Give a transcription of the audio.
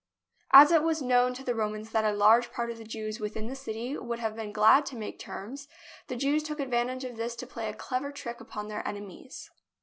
As it was known to the Romans that a large part of the Jews within the city would have been glad JERUSALEM to make terms, the Jews took advantage of this to play a clever trick upon their enemies.